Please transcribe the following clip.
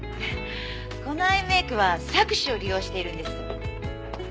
このアイメイクは錯視を利用しているんです。